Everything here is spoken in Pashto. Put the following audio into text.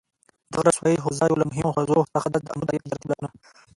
دغه رسوبي حوزه یوه له مهمو حوزو څخه ده دآمو دریا تجارتي بلاکونه